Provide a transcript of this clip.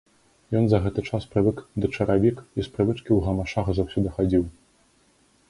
Ён за гэты час прывык да чаравік і з прывычкі ў гамашах заўсёды хадзіў.